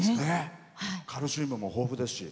カルシウムも豊富ですし。